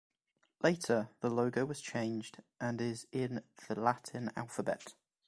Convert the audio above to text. Later, the logo was changed and is in the Latin alphabet.